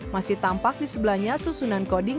masih tampak di sebelahnya susunan koding